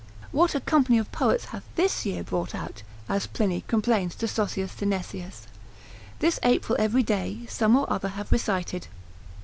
What a company of poets hath this year brought out, as Pliny complains to Sossius Sinesius. This April every day some or other have recited.